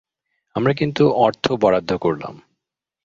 আমরা কিন্তু অর্থ বরাদ্দ করলাম।